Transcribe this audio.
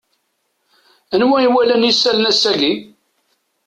Anwa iwalan isallen ass-agi?